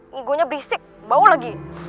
ngonya berisik bau lagi